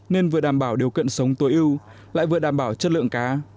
nên vừa đảm bảo điều kiện sống tối ưu lại vừa đảm bảo chất lượng cá